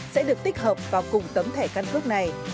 sẽ được tích hợp vào cùng tấm thẻ căn cước này